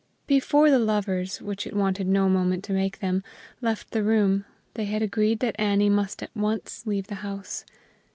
Before the lovers, which it wanted no moment to make them, left the room, they had agreed that Annie must at once leave the house.